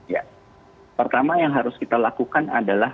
ya pertama yang harus kita lakukan adalah